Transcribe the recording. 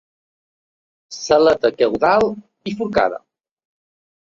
L'aleta caudal bifurcada.